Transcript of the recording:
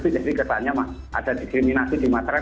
jadi kesannya ada diskriminasi di masyarakat